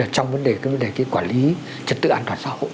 trong vấn đề quản lý trật tự an toàn xã hội